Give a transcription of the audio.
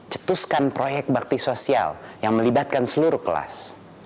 cetuskan proyek bakti sosial yang melibatkan seluruh kelas